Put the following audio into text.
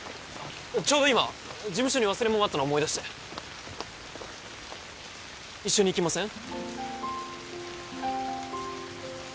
ちょうど今事務所に忘れ物あったの思い出して一緒に行きません？